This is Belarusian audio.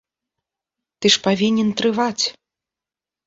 Ты ж павінен трываць.